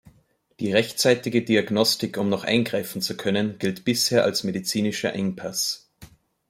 Die rechtzeitige Diagnostik, um noch eingreifen zu können, gilt bisher als medizinischer Engpass.